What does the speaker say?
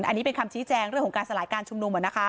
อันนี้เป็นคำชี้แจงเรื่องของการสลายการชุมนุม